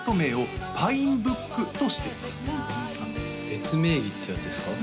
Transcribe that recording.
別名義っていうやつですか？